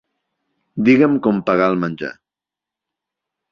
Digue'm com pagar el menjar.